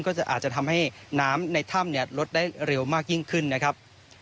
อาจจะอาจจะทำให้น้ำในถ้ำลดได้เร็วมากยิ่งขึ้นนะครับ